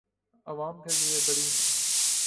آعوام کے لئے بڑی